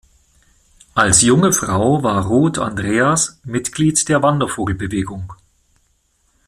Als junge Frau war Ruth Andreas Mitglied der Wandervogelbewegung.